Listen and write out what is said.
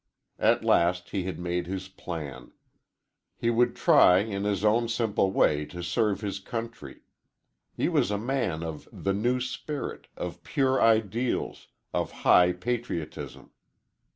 At last he had made his plan. He would try in his own simple way to serve his country. He was a man of "the new spirit," of pure ideals, of high patriotism.